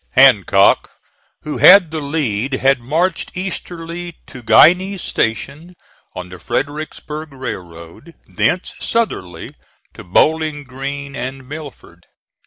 Hancock who had the lead had marched easterly to Guiney's Station, on the Fredericksburg Railroad, thence southerly to Bowling Green and Milford.